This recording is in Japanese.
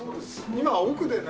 今奥でね